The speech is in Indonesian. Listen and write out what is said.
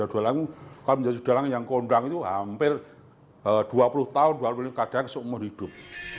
dalang itu kalau menjadi dalang yang keundang itu hampir dua puluh tahun kadang seumur hidup